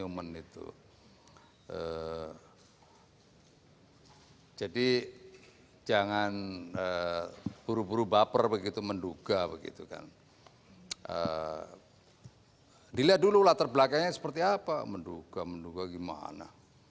menduga menduga gimana